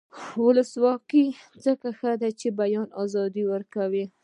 ولسواکي ځکه ښه ده چې د بیان ازادي ورکوي.